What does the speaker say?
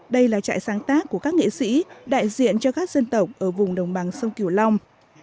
đây là trại sáng tác của các nghệ sĩ đại diện cho các dân tộc ở vùng đồng bằng sông kiều long